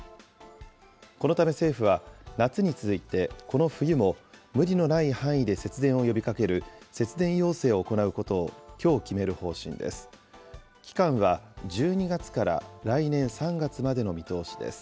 このため政府は、夏に続いてこの冬も、無理のない範囲で節電を呼びかける、節電要請を行うことをきょう決める方針です。